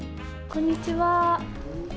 こんにちは。